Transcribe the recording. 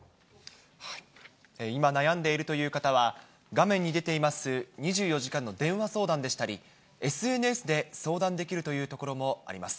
今、悩んでいるという方は、画面に出ています２４時間の電話相談でしたり、ＳＮＳで相談できるというところもあります。